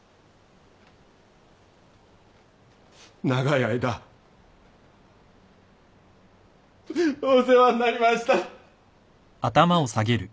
長い間お世話になりました。